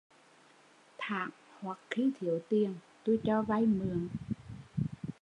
Thảng hoặc khi thiếu tiền, tui cho vay mượn